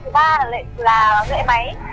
thứ ba là lệnh là lệ máy